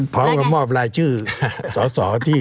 พร้อมกับมอบรายชื่อสอสอที่